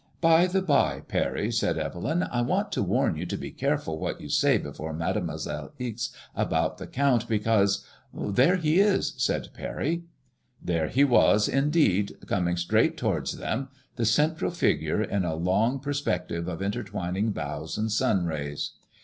" By the by, Parry," said Evelyn, " I want to warn you to be careful what you say before Mademoiselle Ixe about the Count, because "" There he is," said Parry. Ther^ he was, indeed, coming straij^ht towards them, the ceo % MADEMOISELLE IXE. 121 tral figure in a long perspective of intertwining boughs and sun rays.